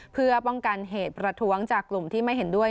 เพื่อป้องกันเหตุประท้วงจากกลุ่มที่ไม่เห็นด้วย